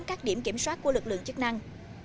các điểm kiểm soát của lực lượng chức năng